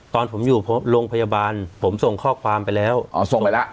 ตอนผมอยู่โรงพยาบาลผมส่งข้อความไปแล้วอ๋อส่งไปแล้ว